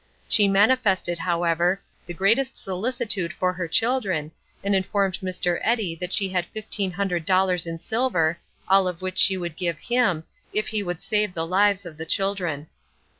She manifested, however, the greatest solicitude for her children, and informed Mr. Eddy that she had fifteen hundred dollars in silver, all of which she would give him, if he would save the lives of the children.